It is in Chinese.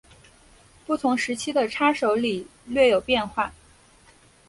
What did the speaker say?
不同时期的叉手礼略有变化。